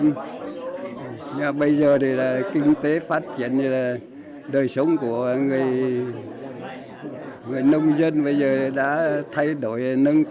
nhưng mà bây giờ thì là kinh tế phát triển đời sống của người nông dân bây giờ đã thay đổi